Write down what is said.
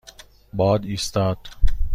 باد ایستاد.